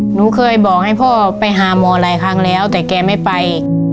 หนูเคยบอกให้พ่อไปหาหมอหลายครั้งแล้วแต่แกไม่ไป